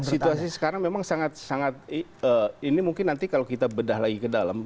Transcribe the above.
situasi sekarang memang sangat sangat ini mungkin nanti kalau kita bedah lagi ke dalam